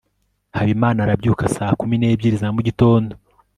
habimana arabyuka saa kumi n'ebyiri za mugitondo